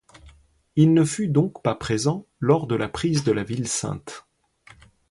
Il ne fut donc pas présent lors de la prise de la ville sainte.